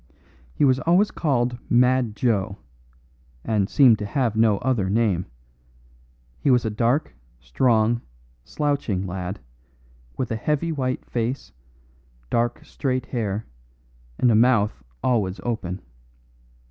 He was always called "Mad Joe," and seemed to have no other name; he was a dark, strong, slouching lad, with a heavy white face, dark straight hair, and a mouth always open.